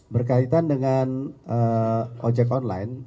berkaitan dengan ojek online